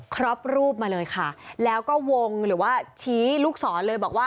รอบรูปมาเลยค่ะแล้วก็วงหรือว่าชี้ลูกศรเลยบอกว่า